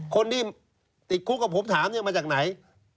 คนที่ติดคุกกับผมถามเนี่ยมาจากไหน